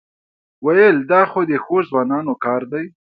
وېل دا خو د ښو ځوانانو کار دی.